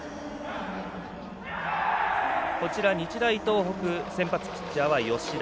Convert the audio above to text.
日大東北先発ピッチャーは吉田。